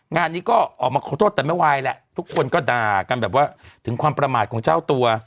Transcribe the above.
งานนี้ก็ออกมาขอโทษแต่ไม่ไหวแหละทุกคนก็ด่ากันแบบว่าถึงความประมาทของเจ้าตัว